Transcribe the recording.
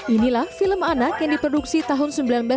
inilah film anak yang diproduksi tahun seribu sembilan ratus sembilan puluh